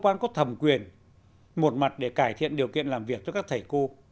tôi đang có thầm quyền một mặt để cải thiện điều kiện làm việc cho các thầy cô